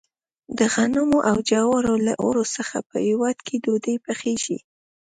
د غنمو او جوارو له اوړو څخه په هیواد کې ډوډۍ پخیږي.